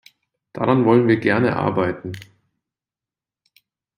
Daran wollen wir gerne arbeiten.